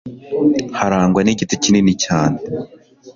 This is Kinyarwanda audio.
Harangwa n'Igiti kinini cyane